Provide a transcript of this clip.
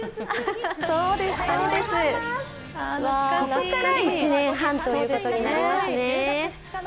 そこから１年半ということになりますね。